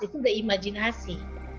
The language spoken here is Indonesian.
itu udah imajinasi